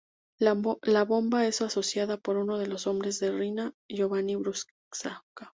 La bomba es accionada por uno de los hombres de Riina, Giovanni Brusca.